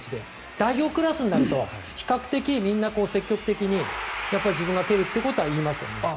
代表クラスになると比較的みんな、積極的に自分が蹴るってことは言いますね。